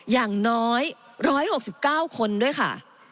อย่างน้อย๑๖๙คนด้วยค่ะ